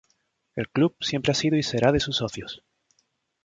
El club siempre ha sido y será de sus socios.